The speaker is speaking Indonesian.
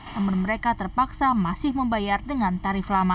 namun mereka terpaksa masih membayar dengan tarif lama